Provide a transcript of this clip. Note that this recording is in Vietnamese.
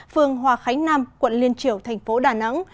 phường hòa khánh nam quận liên triểu thành phố đà nẵng